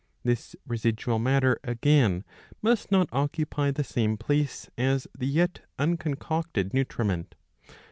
This residual matter, again, must not occupy the same place as the yet uncon cocted nutriment.